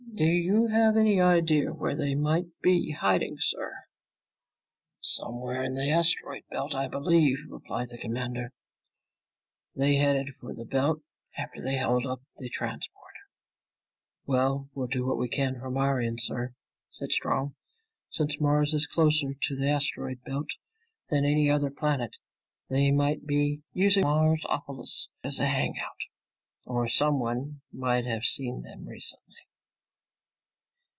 "Do you have any idea where they might be hiding, sir?" "Somewhere in the asteroid belt, I believe," replied the commander. "They headed for the belt after they held up the transport." "Well, we'll do what we can from our end, sir," said Strong. "Since Mars is closer to the asteroid belt than any other planet, they might be using Marsopolis as a hangout. Or someone might have seen them recently."